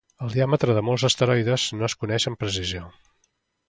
El diàmetre de molts asteroides no es coneix amb precisió.